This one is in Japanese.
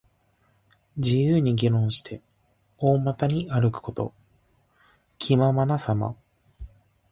自由に議論して、大股に歩くこと。気ままなさま。